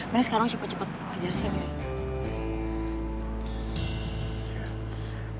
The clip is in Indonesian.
mending sekarang cepet cepet kejar cindy